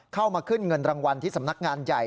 มาขึ้นเงินรางวัลที่สำนักงานใหญ่